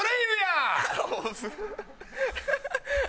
ハハハハ！